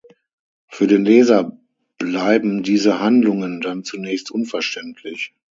Für den Leser bleiben diese Handlungen dann zunächst unverständlich.